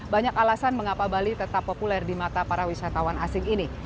banyak alasan mengapa bali tetap populer di mata para wisatawan asing ini